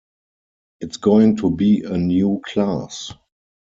It's going to be a new class.